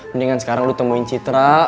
mendingan sekarang lu temuin citra